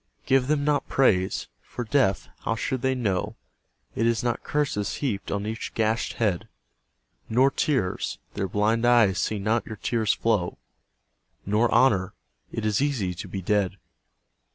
Give them not praise. For, deaf, how should they know It is not curses heaped on each gashed head ? Nor tears. Their blind eyes see not your tears flow. Nor honour. It is easy to be dead.